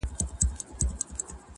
• زمري وویل خوږې کوې خبري,